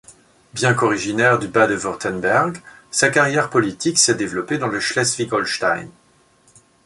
Bien qu'originaire du Bade-Wurtemberg, sa carrière politique s'est développée dans le Schleswig-Holstein.